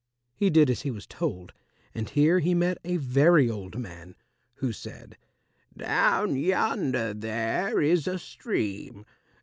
He did as he was told, and here he met a very old man, who said, "Down yonder there is a stream.